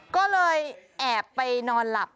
ก็เลยแอบไปนอนหลับ